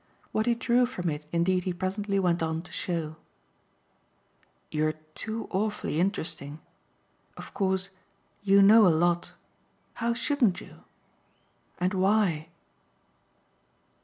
What he drew from it indeed he presently went on to show. "You're too awfully interesting. Of course you know a lot. How shouldn't you and why?"